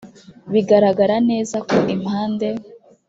bigaragara neza ko impande